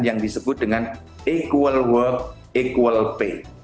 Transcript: yang disebut dengan equal work equal pay